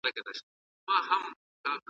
لادي په برخه توري شپې نوري `